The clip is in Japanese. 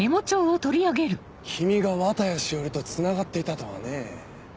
君が綿谷詩織とつながっていたとはねぇ。